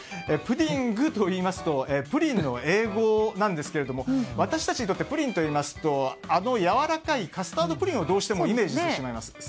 プディングといいますとプリンの英語なんですけど私たちにとってプリンといいますと、やわらかいカスタードプリンをどうしてもイメージしてしまいます。